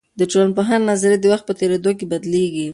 د ټولنپوهني نظريې د وخت په تیریدو کې بدلیږي.